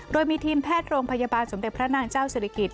โดยมีทีมแพทย์โรงพยาบาลสมเด็จพระนางเจ้าศิริกิจ